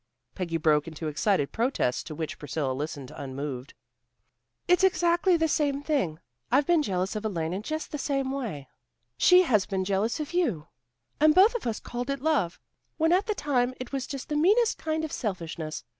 Peggy broke into excited protests, to which Priscilla listened unmoved. "It's exactly the same thing. I've been jealous of Elaine in just the same way she has been jealous of you. And both of us called it love, when all the time it was just the meanest kind of selfishness.